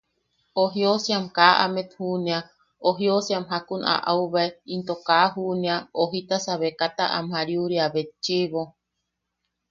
O jiosiam kaa amet juʼunea o jiosiam jakun aʼaubae into kaa juʼunea o jitasa becata am jariuria betchiʼibo.